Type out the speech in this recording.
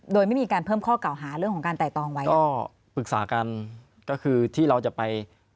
โดยไม่มีการเพิ่มข้อเก่าหาเรื่องของการไต่ตองไว้ก็ปรึกษากันก็คือที่เราจะไป